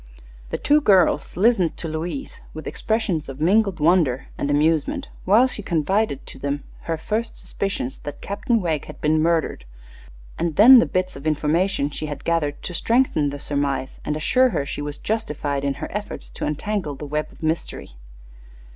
The two girls listened to Louise with expressions of mingled wonder and amusement while she confided to them her first suspicions that Captain Wegg had been murdered, and then the bits of information she had gathered to strengthen the surmise and assure her she was justified in her efforts to untangle the web of mystery.